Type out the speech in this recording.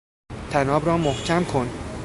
طناب را محکم کن!